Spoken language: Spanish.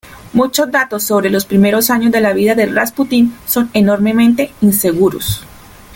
Muchos datos sobre los primeros años de la vida de Rasputín son enormemente inseguros.